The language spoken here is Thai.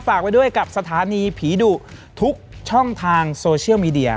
ฝากไว้ด้วยกับสถานีผีดุทุกช่องทางโซเชียลมีเดีย